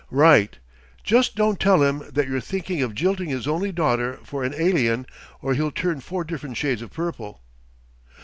"Right. Just don't tell him that you're thinking of jilting his only daughter for an alien, or he'll turn four different shades of purple."